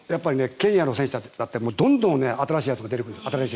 ケニアの選手たちだってどんどん新しい選手が出てくる。